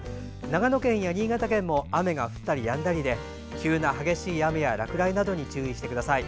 長野県や新潟県も雨が降ったりやんだりで急な激しい雨や落雷などに注意してください。